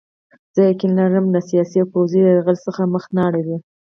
زه یقین لرم له سیاسي او پوځي یرغل څخه مخ نه اړوي.